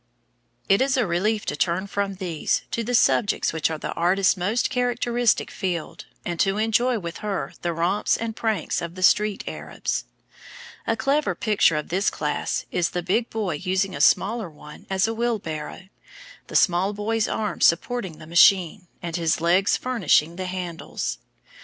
] It is a relief to turn from these to the subjects which are the artist's most characteristic field, and to enjoy with her the romps and pranks of the street Arabs. A clever picture of this class is the big boy using a smaller one as a wheelbarrow, the small boy's arms supporting the machine, and his legs furnishing the handles.